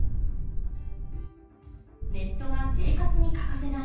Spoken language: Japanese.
ネットが生活に欠かせない